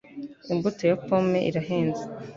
imbuto ya pomme irahenze